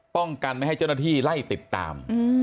ป้องกันไม่ให้เจ้าหน้าที่ไล่ติดตาม